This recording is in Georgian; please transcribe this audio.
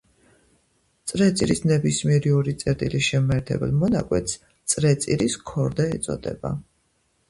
წრეწირის ნებისმიერი ორი წერტილის შემაერთებელ მონაკვეთს წრეწირის ქორდა ეწოდება.